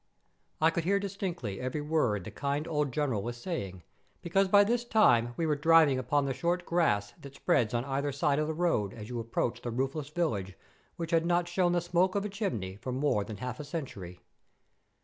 I could hear distinctly every word the kind old General was saying, because by this time we were driving upon the short grass that spreads on either side of the road as you approach the roofless village which had not shown the smoke of a chimney for more than half a century.